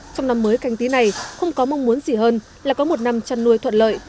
trong năm mới canh tí này không có mong muốn gì hơn là có một năm chăn nuôi thuận lợi